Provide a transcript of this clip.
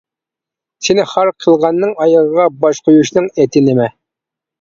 سېنى خار قىلغاننىڭ ئايىغىغا باش قويۇشنىڭ ئېتى نېمە؟ !